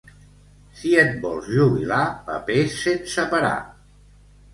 Si et vols jubilar, papers sense parar.